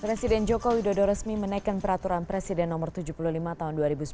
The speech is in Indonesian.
presiden joko widodo resmi menaikkan peraturan presiden no tujuh puluh lima tahun dua ribu sembilan belas